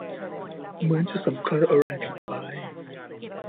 เหมือนจะสำคัญอะไรผิดไป